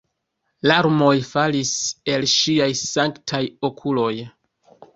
Larmoj falis el ŝiaj sanktaj okuloj.